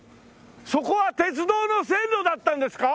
そこは鉄道の線路だったんですか？